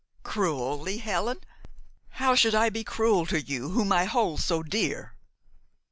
"Cruelly, Helen? How should I be cruel to you whom I hold so dear?"